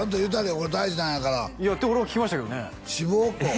これ大事なんやからって俺は聞きましたけどね志望校？